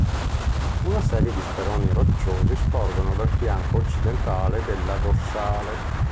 Una serie di speroni rocciosi sporgono dal fianco occidentale della dorsale.